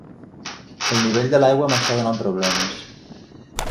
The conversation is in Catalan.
El nivell de l'aigua m'està donant problemes.